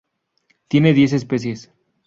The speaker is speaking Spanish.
Tiene diez especies.